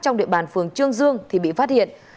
trong địa bàn phường trương dương thì bị phát hiện